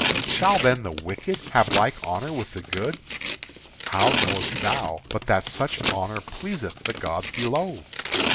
"Shall then the wicked have like honour with the good?" "How knowest thou but that such honour pleaseth the gods below?"